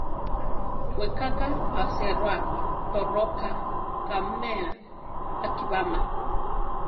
Weká ka aséroa, toróka kaʼmea akibáma.